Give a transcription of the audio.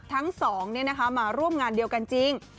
ทั้งสองเนี่ยนะคะมาร่วมงานเดียวกันจริง